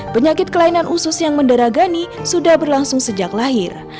penyakit kelainan usus yang mendera gani sudah berlangsung sejak lahir